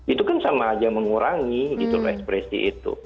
itu kan sama aja mengurangi gitu loh ekspresi itu